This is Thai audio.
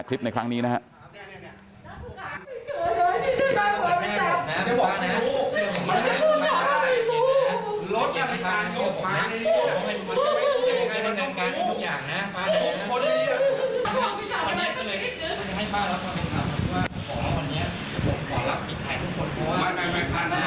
คลิปในครั้งนี้นะฮะ